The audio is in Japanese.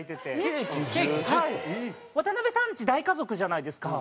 ワタナベさんち大家族じゃないですか。